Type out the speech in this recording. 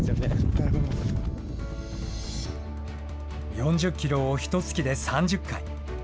４０キロをひとつきで３０回。